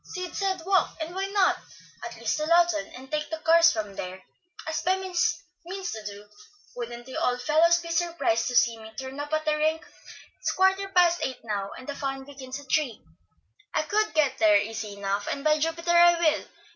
"Sid said, 'Walk,' and why not? at least to Lawton, and take the cars from there, as Bemis means to do. Wouldn't the old fellows be surprised to see me turn up at the rink? It's quarter past eight now, and the fun begins at three; I could get there easy enough, and by Jupiter, I will!